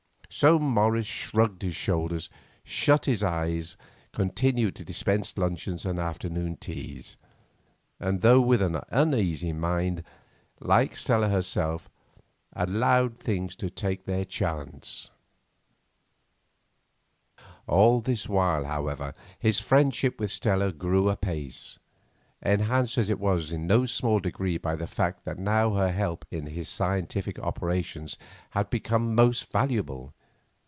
So Morris shrugged his shoulders, shut his eyes, continued to dispense luncheons and afternoon teas, and though with an uneasy mind, like Stella herself, allowed things to take their chance. All this while, however, his own friendship with Stella grew apace, enhanced as it was in no small degree by the fact that now her help in his scientific operations had become most valuable.